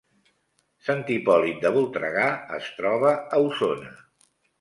Sant Hipòlit de Voltregà es troba a Osona